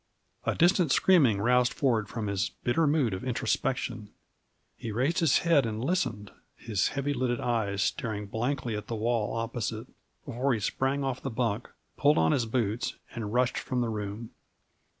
A distant screaming roused Ford from his bitter mood of introspection. He raised his head and listened, his heavy lidded eyes staring blankly at the wall opposite, before he sprang off the bunk, pulled on his boots, and rushed from the room.